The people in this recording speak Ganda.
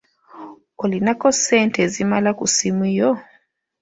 Olinako ssente ezimala ku ssimu yo?